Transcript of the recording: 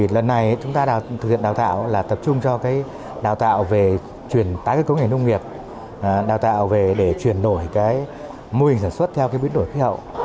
lần này chúng ta thực hiện đào tạo là tập trung cho đào tạo về chuyển tái cơ cấu ngành nông nghiệp đào tạo về để chuyển đổi mô hình sản xuất theo biến đổi khí hậu